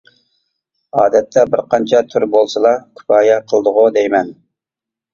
ئادەتتە بىر قانچە تۈر بولسىلا كۇپايە قىلدىغۇ دەيمەن.